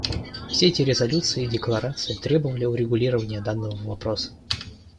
Все эти резолюции и декларации требовали урегулирования данного вопроса.